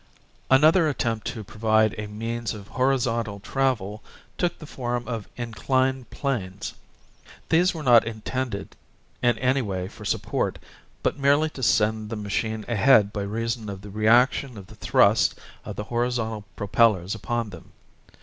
Another attempt to provide a means of horizontal travel took the form of inclined planes. These were not intended in any way for support, but merely to send the machine ahead by reason of the reaction of the thrust of the horizontal propellers upon them.